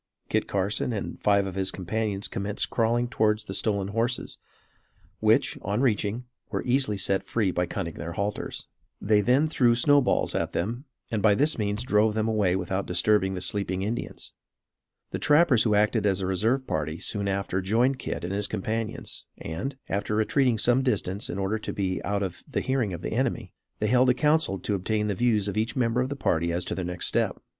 Kit Carson and five of his companions commenced crawling towards the stolen horses, which, on reaching, were easily set free by cutting their halters. They then threw snow balls at them and by this means drove them away without disturbing the sleeping Indians. The trappers who acted as a reserve party soon after joined Kit and his companions; and, after retreating some distance in order to be out of the hearing of the enemy, they held a council to obtain the views of each member of the party as to their next step.